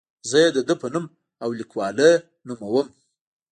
زه یې د ده په نوم او لیکلوالۍ نوموم.